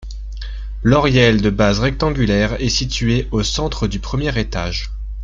L'oriel de base rectangulaire est situé au centre du premier étage.